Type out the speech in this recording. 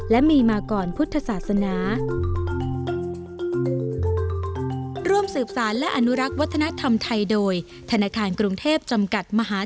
และมีมาก่อนพุทธศาสนา